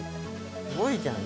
すごいじゃない。